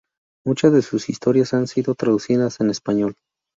Muchas de sus historietas han sido traducidas en Español.